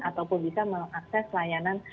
ataupun bisa mengakses layanan